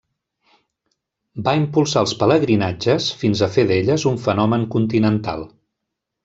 Va impulsar els pelegrinatges fins a fer d'elles un fenomen continental.